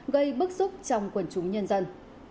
gây bức xúc trong quần chúng nhân dân